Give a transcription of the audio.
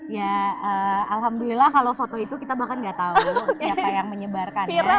ya alhamdulillah kalau foto itu kita bahkan nggak tahu siapa yang menyebarkannya